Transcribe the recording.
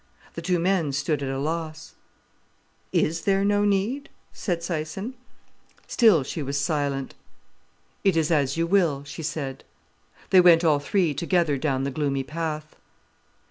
The two men stood at a loss. "Is there no need?" said Syson. Still she was silent. "It is as you will," she said. They went all three together down the gloomy path.